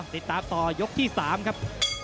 ติดตามต่อยกที่๓ครับ